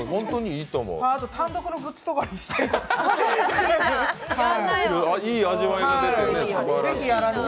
あと単独のグッズとかにして。